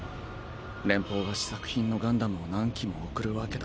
連邦が試作品のガンダムを何機も送るわけだ。